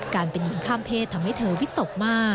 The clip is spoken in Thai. เป็นหญิงข้ามเพศทำให้เธอวิตกมาก